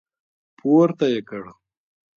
پورته يې کړ.